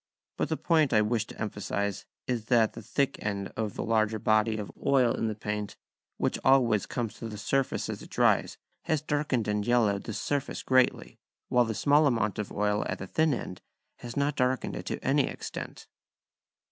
But the point I wish to emphasise is that at the thick end the larger body of oil in the paint, which always comes to the surface as it dries, has darkened and yellowed the surface greatly; while the small amount of oil at the thin end has not darkened it to any extent.